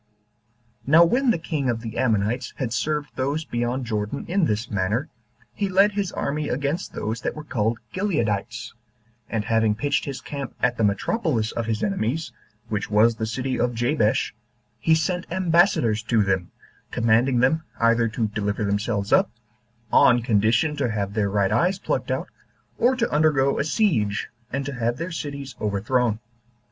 Now when the king of the Ammonites had served those beyond Jordan in this manner, he led his army against those that were called Gileadites, and having pitched his camp at the metropolis of his enemies, which was the city of Jabesh, he sent ambassadors to them, commanding them either to deliver themselves up, on condition to have their right eyes plucked out, or to undergo a siege, and to have their cities overthrown.